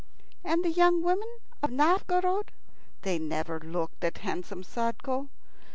And the young women of Novgorod, they never looked at the handsome Sadko.